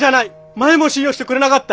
前も信用してくれなかったよ！